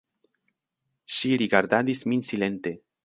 Ŝi rigardadis min silente.